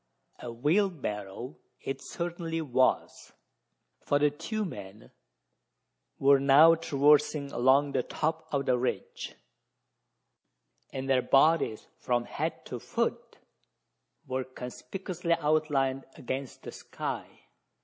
A wheelbarrow it certainly was: for the two men were now traversing along the top of the ridge, and their bodies from head to foot, were conspicuously outlined against the sky.